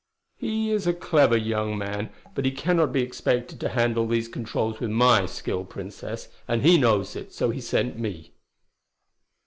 "He is a clever young man, but he cannot be expected to handle these controls with my skill, Princess, and he knows it; so he sent me.